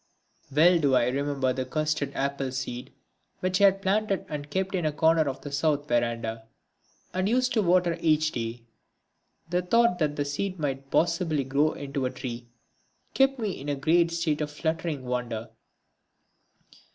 Well do I remember the custard apple seed which I had planted and kept in a corner of the south verandah, and used to water every day. The thought that the seed might possibly grow into a tree kept me in a great state of fluttering wonder.